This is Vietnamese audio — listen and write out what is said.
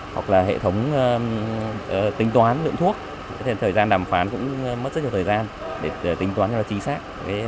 hoặc là hệ thống tính toán lượng thuốc nên thời gian đàm phán cũng mất rất nhiều thời gian để tính toán cho nó chính xác